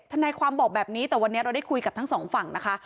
ทนายความบอกแบบนี้แต่วันนี้เราได้คุยกับทั้งสองฝั่งนะคะ